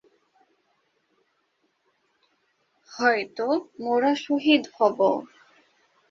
হয়তো মোরা শহীদ হবো